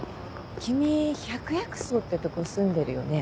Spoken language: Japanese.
君百薬荘ってとこ住んでるよね？